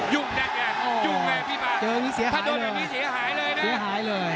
ยุ่งแดดแกนยุ่งแม่พี่ป่าถ้าโดนแบบนี้เสียหายเลยนะ